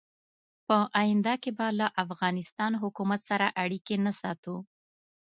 په آینده کې به له افغانستان حکومت سره اړیکې نه ساتو.